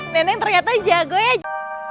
nenek ternyata jago ya